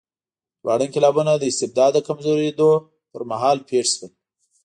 دواړه انقلابونه د استبداد د کمزورېدو پر مهال پېښ شول.